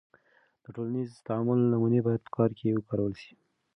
د ټولنیز تعامل نمونې باید په کار کې وکارول سي.